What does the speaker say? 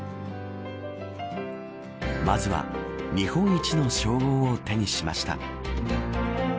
まずは日本一の称号を手にしました。